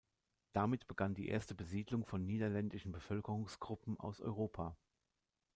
Damit begann die erste Besiedlung von niederländischen Bevölkerungsgruppen aus Europa.